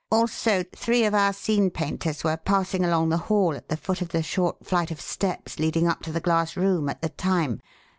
Also, three of our scene painters were passing along the hall at the foot of the short flight of steps leading up to the glass room at the time.